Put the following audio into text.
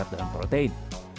asupan karbohidrat dan protein